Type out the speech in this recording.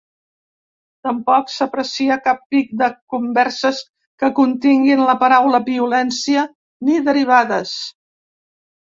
Tampoc s’aprecia cap pic de converses que continguin la paraula violència ni derivades.